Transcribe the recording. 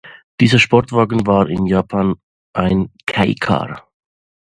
Dieser Sportwagen war in Japan ein Kei Car.